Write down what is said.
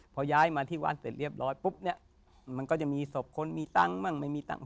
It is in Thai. พอย้ายมาที่วัดเสร็จเรียบร้อยปุ๊บเนี่ยมันก็จะมีศพคนมีตังค์บ้างไม่มีตังค์